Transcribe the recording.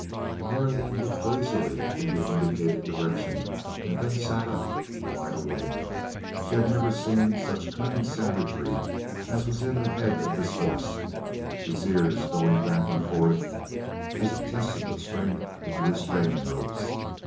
Marianne looked lazily in the indicated direction and then sat up, wide awake. She had never seen such cunning savagery as was in the head of this horse, its ears going back and forth as it tested the strength of the restraining ropes.